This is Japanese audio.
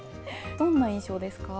どんな印象ですか？